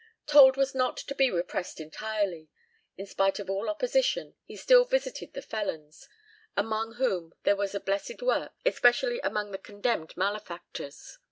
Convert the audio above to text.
Told was not to be repressed entirely. In spite of all opposition, he still visited the felons, among whom there was a blessed work, especially among the condemned malefactors.